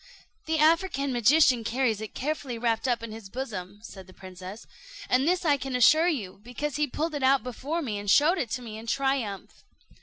"The African magician carries it carefully wrapt up in his bosom," said the princess; "and this I can assure you, because he pulled it out before me, and showed it to me in triumph."